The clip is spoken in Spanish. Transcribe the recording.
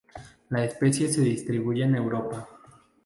La especie se distribuye en Europa.